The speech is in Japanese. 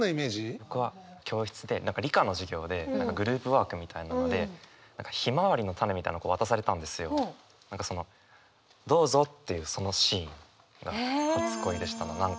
僕は教室で理科の授業でグループワークみたいなのでひまわりの種みたいなの渡されたんですよ。が初恋でした何か。